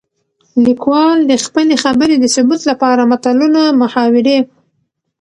ليکوال د خپلې خبرې د ثبوت لپاره متلونه ،محاورې